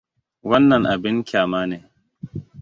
Wannan abin ƙyama ne!